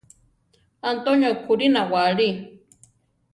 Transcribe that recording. Antonio kurí nawáli.